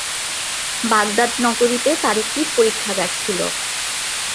Baghdad নগরীতে তার একটি পরীক্ষাগার ছিল।